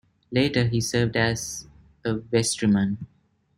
Later, he served as a vestryman.